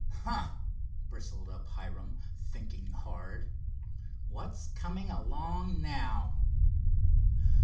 "Huh!" bristled up Hiram, thinking hard—"what's coming along now?"